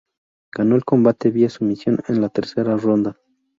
Ganó el combate vía sumisión en la tercera ronda.